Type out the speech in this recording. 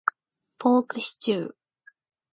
ポークシチュー